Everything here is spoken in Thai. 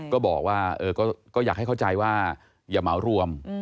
ก็บอกว่าก็อยากให้เข้าใจว่าอย่าเหมารวม